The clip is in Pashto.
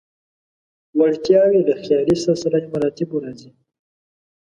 وړتیاوې له خیالي سلسله مراتبو راځي.